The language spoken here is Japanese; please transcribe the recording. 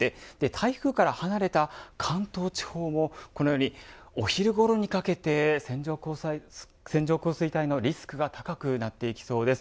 台風から離れた関東地方もこのように、お昼ごろにかけて線状降水帯のリスクが高くなっていきそうです。